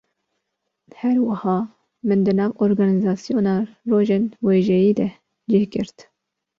Her wiha, min di nav organîzasyona Rojên Wêjeyê de cih girt